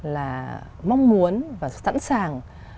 là mong muốn và sẵn sàng